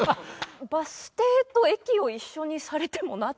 バス停と駅を一緒にされてもなという。